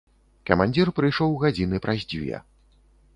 Камандзір прыйшоў гадзіны праз дзве.